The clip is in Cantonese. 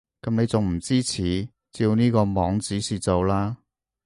噉你仲唔支持？照呢個網指示做啦